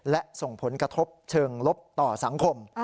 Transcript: และส่งผลกระทบเชิงลบต่อสังคม